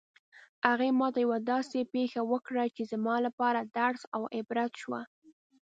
هغې ما ته یوه داسې پېښه وکړه چې زما لپاره درس او عبرت شوه